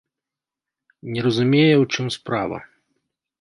Не разумее, у чым справа.